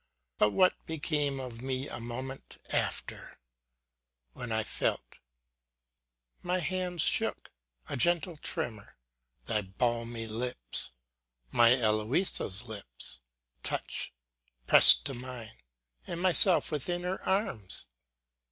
But what became of me a mo ment after, when I felt ŌĆö My hands shook ŌĆö A gentle tremor ŌĆö Thy balmy lips ŌĆö My Eloisa's lips ŌĆö touch, pressed to mine ŌĆö and myself within her arms?